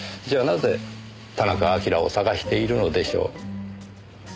じゃあなぜ田中晶を捜しているのでしょう？